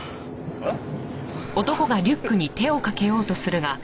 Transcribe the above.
えっ？